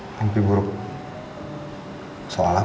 mimpi buruk soal apa